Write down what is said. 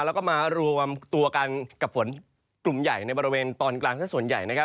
แล้วก็มารวมตัวกันกับฝนกลุ่มใหญ่ในบริเวณตอนกลางสักส่วนใหญ่นะครับ